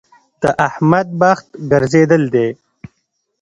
د احمد بخت ګرځېدل دی.